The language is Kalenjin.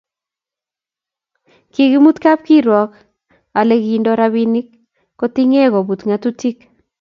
kikimut kapkirwak ale kindo rapinik kotinge koput ngatutik